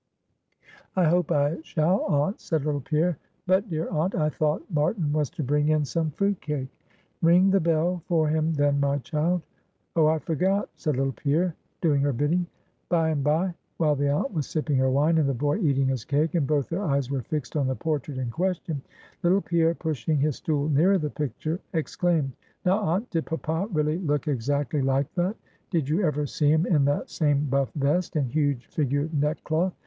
"I hope I shall, aunt," said little Pierre "But, dear aunt, I thought Marten was to bring in some fruit cake?" "Ring the bell for him, then, my child." "Oh! I forgot," said little Pierre, doing her bidding. By and by, while the aunt was sipping her wine; and the boy eating his cake, and both their eyes were fixed on the portrait in question; little Pierre, pushing his stool nearer the picture exclaimed "Now, aunt, did papa really look exactly like that? Did you ever see him in that same buff vest, and huge figured neckcloth?